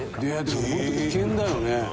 でも本当危険だよね。